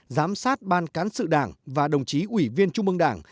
giám sát ban cán sự đảng và đồng chí ủy viên trung ương đảng